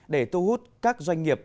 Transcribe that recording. để thu hút các doanh nghiệp